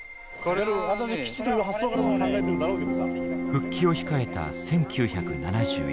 復帰を控えた１９７１年。